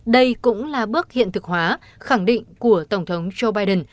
đây cũng là bước hiện thực hóa khẳng định của tổng thống joe biden